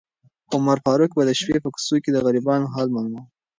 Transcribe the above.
عمر فاروق به د شپې په کوڅو کې د غریبانو حال معلوماوه.